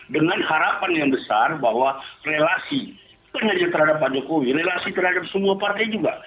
dengan harapan yang besar bahwa relasi bukan hanya terhadap pak jokowi relasi terhadap semua partai juga